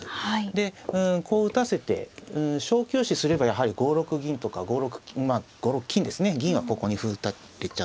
でこう打たせて小休止すればやはり５六銀とか５六金ですね銀はここに歩打たれちゃうんで。